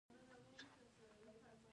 ایا ستاسو خطر به لرې نه شي؟